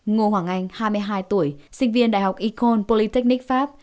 ngô hoàng anh hai mươi hai tuổi sinh viên đại học econ polytechnique pháp